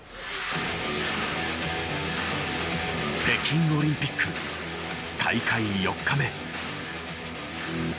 北京オリンピック大会４日目。